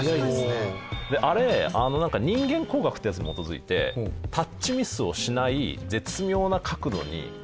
あれなんか人間工学ってやつに基づいてタッチミスをしない絶妙な角度に角度設定されてるらしい。